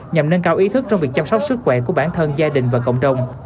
nhằm nâng cao ý thức trong việc chăm sóc sức khỏe của bản thân gia đình và cộng đồng